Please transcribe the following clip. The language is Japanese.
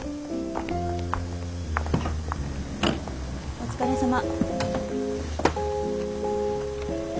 お疲れさま。